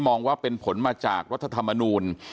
มองว่าเป็นผลมาจากรัฐธรรมนูล